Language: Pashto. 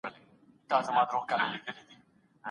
املا د اورېدلو او لیکلو همغږي رامنځته کوي.